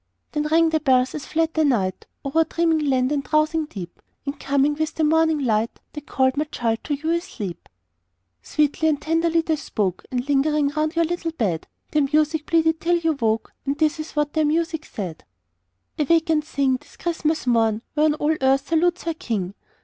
Then rang the bells as fled the night O'er dreaming land and drowsing deep, And coming with the morning light, They called, my child, to you asleep. Sweetly and tenderly they spoke, And lingering round your little bed, Their music pleaded till you woke, And this is what their music said: "Awake and sing! 'tis Christmas morn, Whereon all earth salutes her King!